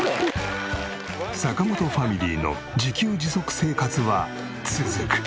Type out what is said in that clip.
坂本ファミリーの自給自足生活は続く。